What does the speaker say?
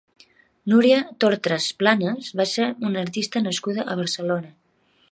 Núria Tortras Planas va ser una artista nascuda a Barcelona.